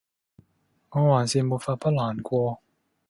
我還是沒法不難過